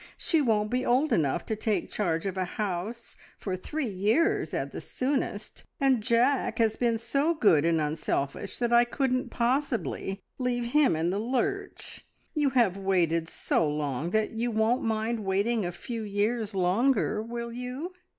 She won't be old enough to take charge of a house for three years at the soonest, and Jack has been so good and unselfish that I couldn't possibly leave him in the lurch. You have waited so long that you won't mind waiting a few years longer, will you?"